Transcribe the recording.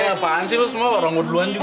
apaan sih lo semua orang orang duluan juga